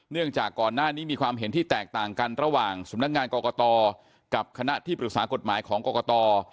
จากก่อนหน้านี้มีความเห็นที่แตกต่างกันระหว่างสำนักงานกรกตกับคณะที่ปรึกษากฎหมายของกรกต